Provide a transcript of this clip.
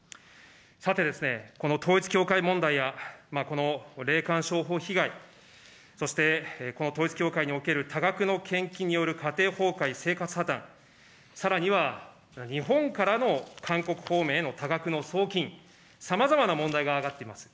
さてですね、この統一教会問題や、この霊感商法被害、そしてこの統一教会における多額の献金による家庭崩壊、生活破綻、さらには日本からの韓国方面への多額の送金、さまざまな問題が挙がっています。